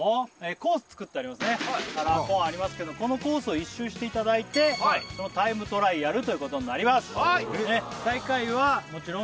コーンありますけどこのコースを１周していただいてそのタイムトライアルということになります